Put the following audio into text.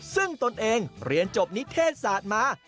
ซึ่งตนเองเรียนจบนิเทศศาสตร์มา